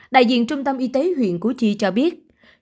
đại diện trung tâm y tế huyện củ chi cho biết